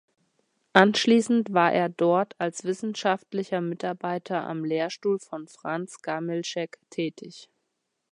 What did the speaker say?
Anschließend war er dort als wissenschaftlicher Mitarbeiter am Lehrstuhl von Franz Gamillscheg tätig.